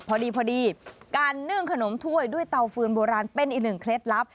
พอดีพอดีการนึ่งขนมถ้วยด้วยเตาฟืนโบราณเป็นอีกหนึ่งเคล็ดลับ